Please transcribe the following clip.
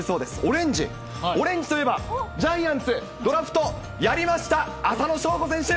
オレンジといえば、ジャイアンツ、ドラフト、やりました、浅野翔吾選手。